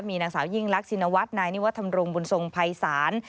มีหนังสาวยิ่งลักษณวัฒน์นายนิวธรรมรงค์บนทรงภัยศาล